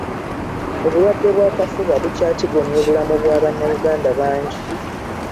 Obulwadde bw'akafuba bukyatigomya obulamu bwa bannayuganda bangi.